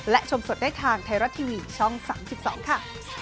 และชมสดได้ทางไทยรัฐทีวีช่อง๓๒ค่ะ